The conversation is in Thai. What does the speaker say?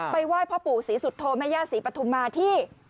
ไปไหว้พระปู่ศรีสุรโธมยาศรีประธุมาธิ